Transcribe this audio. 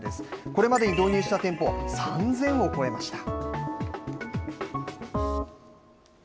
これまでに導入した店舗は、３０００を超えました。